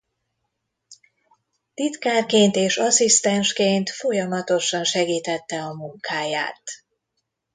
Titkárként és asszisztensként folyamatosan segítette a munkáját.